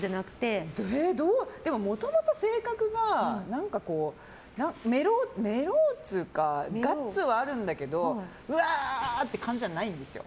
でも、もともと性格が何か、メロウというかガッツはあるんだけどうわー！って感じじゃないんですよ。